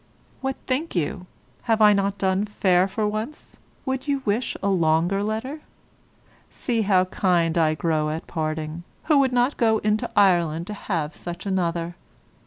What think you, have I not done fair for once, would you wish a longer letter? See how kind I grow at parting; who would not go into Ireland to have such another?